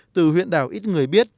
từ huyện đảo ít người biết